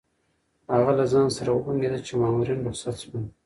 هغه له ځان سره وبونګېده چې مامورین رخصت شول.